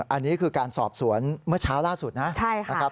อันนี้คือการสอบสวนเมื่อเช้าล่าสุดนะครับ